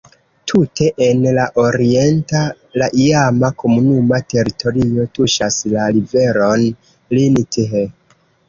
Tute en la oriento la iama komunuma teritorio tuŝas la riveron Linth.